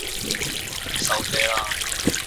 收嗲啦